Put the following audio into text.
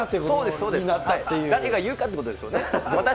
誰が言うかってことですよね。